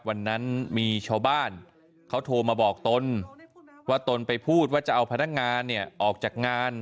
วันนั้นมีชาวบ้านเขาโทรมาบอกตนว่าตนไปพูดว่าจะเอาพนักงานเนี่ยออกจากงาน